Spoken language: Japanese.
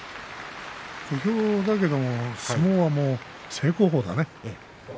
小兵だけれども相撲は正攻法だね。